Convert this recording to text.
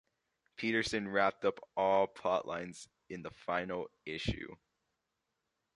Peterson wrapped up all plotlines in the final issue.